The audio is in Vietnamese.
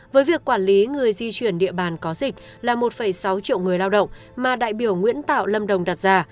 với việc quản lý người di chuyển địa bàn có dịch là một sáu triệu người lao động mà đại biểu nguyễn tạo lâm đồng đặt ra